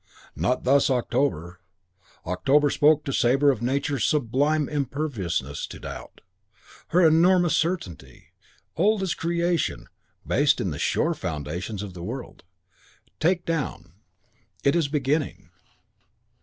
Not thus October. October spoke to Sabre of Nature's sublime imperviousness to doubt; of her enormous certainty, old as creation, based in the sure foundations of the world. "Take down. It is beginning."